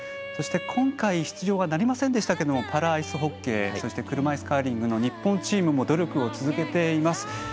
今回出場はなりませんでしたがパラアイスホッケー車いすカーリングの日本チームも努力を続けています。